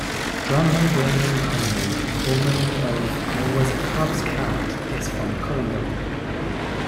Drummer William Bowerman, formerly of 'I Was A Cub Scout' is from Collingham.